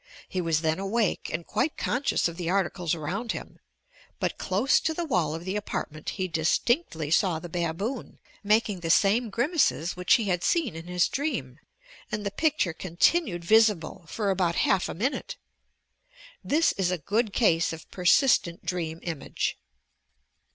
He was then awake and quite conscious of the articles around him, but close to the wall of the apartment he distinctly saw the baboon, making the same grimaces which he had Keen in his dream, and the picture continued visible for about half a minute! This is a good case of persistent dream image.